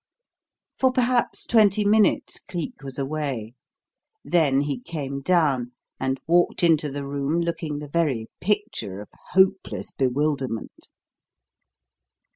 For perhaps twenty minutes Cleek was away; then he came down and walked into the room looking the very picture of hopeless bewilderment.